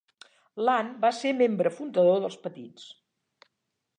Lund va ser membre fundador dels petits.